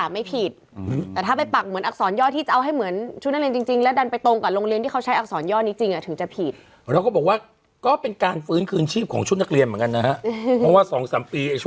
มันก็น่ารักดีคนที่ชื่ออะไรน่ะเอ่ออีจินใช่ไหมเออที่เป็นนักเอกหนังจีนเนี่ย